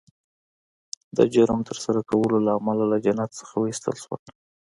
د جرم د ترسره کولو له امله له جنت څخه وایستل شول